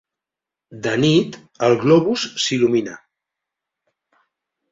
De nit el globus s'il·lumina.